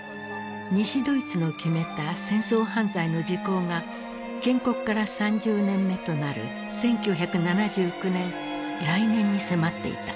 西ドイツの決めた戦争犯罪の時効が建国から３０年目となる１９７９年来年に迫っていた。